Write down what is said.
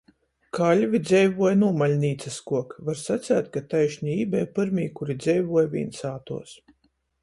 Kaļvi dzeivuoja nūmaļnīcyskuok – var saceit, ka taišni jī beja pyrmī, kuri dzeivuoja vīnsātuos.